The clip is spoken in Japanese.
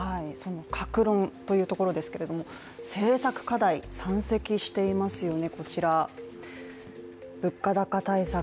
各論というところですけれども、政策課題山積していますよね。